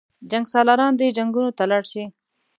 جنګسالاران دې جنګونو ته لاړ شي.